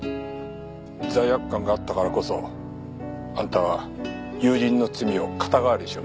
罪悪感があったからこそあんたは友人の罪を肩代わりしようとした。